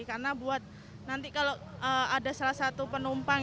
karena buat nanti kalau ada salah satu penumpang